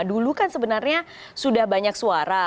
dulu kan sebenarnya sudah banyak suara